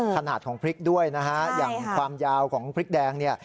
ขนาดของพริกด้วยนะฮะอย่างความยาวของพริกแดงเนี่ย